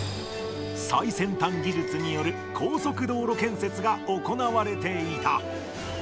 最先端技術による高速道路建設が行われていた。